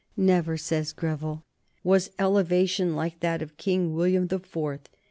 "Never," says Greville, "was elevation like that of King William the Fourth.